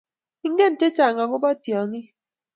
Ingen chechang agoba tyongik